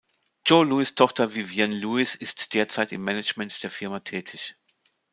Joe Lewis' Tochter Vivienne Lewis ist derzeit im Management der Firma tätig.